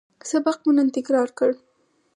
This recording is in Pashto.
سبق مو نن تکرار کړ